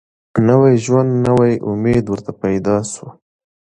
نوی ژوند نوی امید ورته پیدا سو